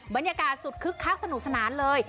บรรยากาศสุดคึกคักสนุกสนานเลย